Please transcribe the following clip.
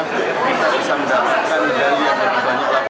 kita bisa mendapatkan medali yang berkebanyakan